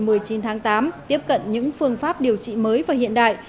bệnh viện một mươi chín tháng tám tiếp cận những phương pháp điều trị mới và hiện đại